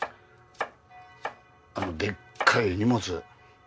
あのでっかい荷物。